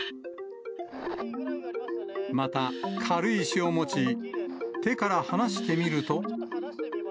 また、軽石を持ち、手から離してみると。